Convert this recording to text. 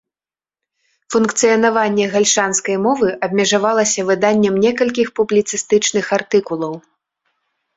Функцыянаванне гальшанскай мовы абмежавалася выданнем некалькіх публіцыстычных артыкулаў.